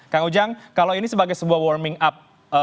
kang ujang kalau ini sebagai sebuah warming up